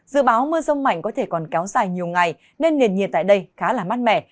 dự báo mưa rông mạnh có thể còn kéo dài nhiều ngày nên nền nhiệt tại đây khá là mát mẻ